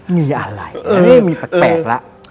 มีอะไรเออมีแปลกละ